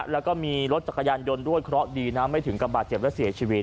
แล้วก็มีรถจักรยานยนต์ด้วยเคราะห์ดีนะไม่ถึงกับบาดเจ็บและเสียชีวิต